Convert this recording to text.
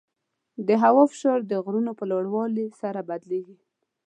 د هوا فشار د غرونو په لوړوالي سره بدلېږي.